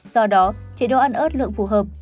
do đó chế độ ăn ớt lượng phù hợp